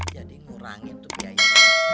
jadi ngurangin tuh biaya